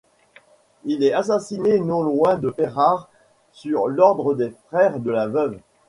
Il est assassiné non loin de Ferrare sur l’ordre des frères de la veuve.